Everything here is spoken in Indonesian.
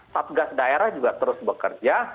satgas daerah juga terus bekerja